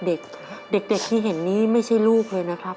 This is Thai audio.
เด็กเด็กที่เห็นนี้ไม่ใช่ลูกเลยนะครับ